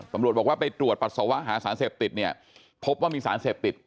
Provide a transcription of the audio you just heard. ตำรวจบอกว่าไปตรวจปัสสาวะหาสารเสพติดเนี่ยพบว่ามีสารเสพติด